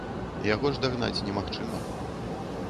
Яго ж дагнаць немагчыма.